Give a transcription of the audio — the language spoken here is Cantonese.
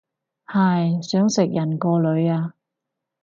唉，想食人個女啊